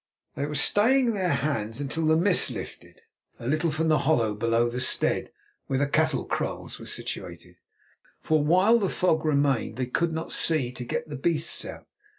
They were staying their hands until the mist lifted a little from the hollow below the stead where the cattle kraals were situated, for while the fog remained they could not see to get the beasts out.